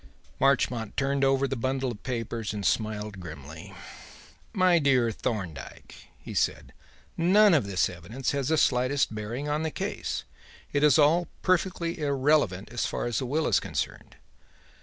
Marchmont turned over the bundle of papers and smiled grimly. "My dear Thorndyke," he said, "none of this evidence has the slightest bearing on the case. It is all perfectly irrelevant as far as the will is concerned.